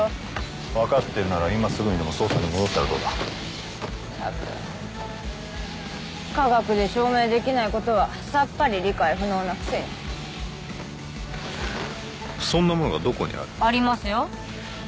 分かってるなら今すぐにでも捜査に戻ったらどうだったく科学で証明できないことはさっぱり理解不能なくせにそんなものがどこにあるありますよ